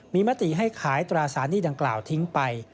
มีมติให้ขายตราสารหนี้ดังกล่าวทิ้งไป